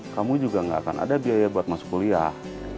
kamu juga gak akan ada biaya buat masuk kuliah